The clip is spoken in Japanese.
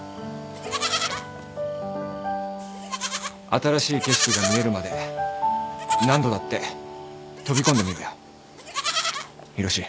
新しい景色が見えるまで何度だって飛び込んでみろよ浩志。